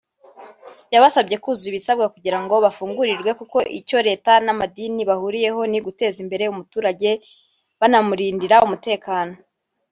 yabasabye kuzuza ibisabwa kugira ngo bafungurirwe kuko icyo leta n’amadini bahuriyeho ni uguteza imbere umuturage banamurindira umutekano